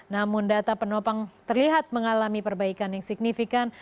namun data penopang terlihat mengalami perbaikan yang signifikan